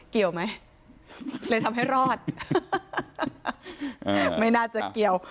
เกี่ยวไหมเลยทำให้รอดไม่น่าจะเกี่ยว